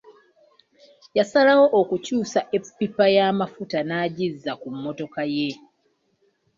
Yasalawo okukyusa eppipa y'amafuta n'agizza ku mmotoka ye.